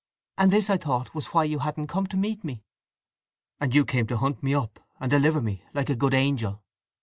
And this, I thought, was why you hadn't come to meet me!" "And you came to hunt me up, and deliver me, like a good angel!"